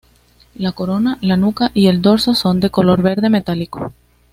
La corona, la nuca y el dorso son de color verde metálico.